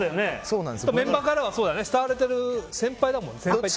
メンバーからは慕われている先輩だもんね。